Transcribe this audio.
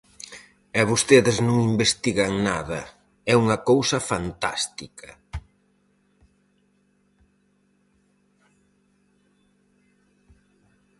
E vostedes non investigan nada, é unha cousa fantástica.